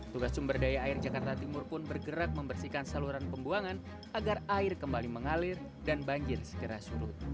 tugas sumber daya air jakarta timur pun bergerak membersihkan saluran pembuangan agar air kembali mengalir dan banjir segera surut